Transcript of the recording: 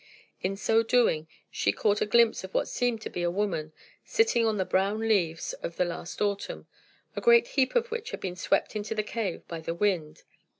In so doing, she caught a glimpse of what seemed to be a woman, sitting on the brown leaves of the last autumn, a great heap of which had been swept into the cave by the wind.